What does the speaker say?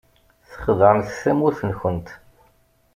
Txedɛemt tamurt-nkent.